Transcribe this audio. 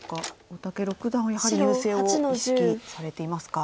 大竹六段はやはり優勢を意識されていますか。